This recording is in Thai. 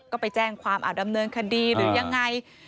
ก็ไปแจ้งความเอาดำเนินคดีหรือยังไง